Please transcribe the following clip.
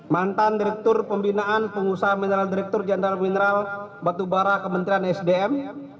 mantan direktur pembinaan pengusaha mineral direktur jenderal mineral batubara kementerian sdm